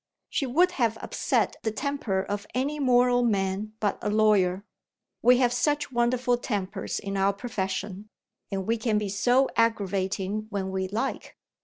She would have upset the temper of any mortal man but a lawyer. We have such wonderful tempers in our profession; and we can be so aggravating when we like!